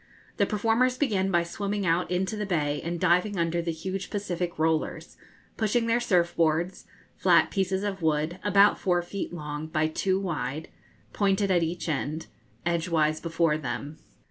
The performers begin by swimming out into the bay, and diving under the huge Pacific rollers, pushing their surf boards flat pieces of wood, about four feet long by two wide, pointed at each end edgewise before them.